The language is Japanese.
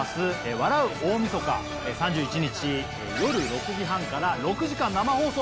『笑う大晦日』３１日夜６時半から６時間生放送。